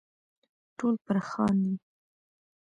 ټول پر خاندي .